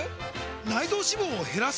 内臓脂肪を減らす！？